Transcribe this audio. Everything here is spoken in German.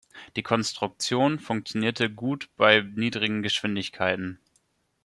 Die Konstruktion funktionierte gut bei niedrigen Geschwindigkeiten.